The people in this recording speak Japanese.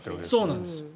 そうなんです。